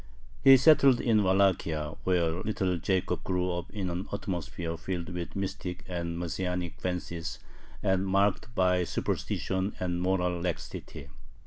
He settled in Wallachia, where little Jacob grew up in an atmosphere filled with mystic and Messianic fancies and marked by superstition and moral laxity.